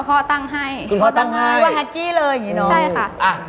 พ่อตั้งให้คุณพ่อตั้งให้ว่าแฮกกี้เลยอย่างงี้เนอะใช่ค่ะอ่ะ